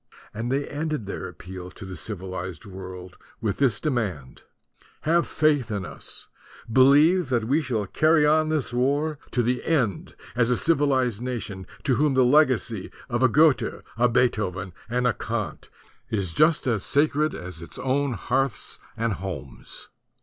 And they ended their appeal to the civi lized world with this demand: "Have faith in us ! Believe that we shall carry on this war to the end as a civilized nation, to whom the legacy of a Goethe, a Beethoven, and a Kant is just as sacred as its own hearths and homes."